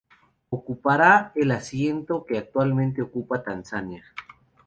Ocupará el asiento que actualmente ocupa Tanzania.